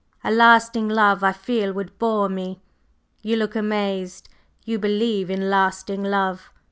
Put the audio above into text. A lasting love I feel would bore me. You look amazed; you believe in lasting love?